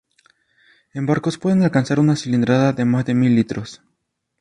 En barcos pueden alcanzar una cilindrada de más de mil litros.